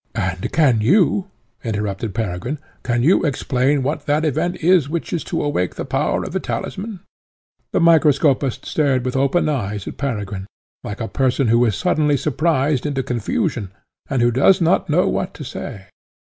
"And can you," interrupted Peregrine, "can you explain what that event is which is to awake the power of the talisman?" The microscopist stared with open eyes at Peregrine, like a person who is suddenly surprised into confusion, and who does not know what to say.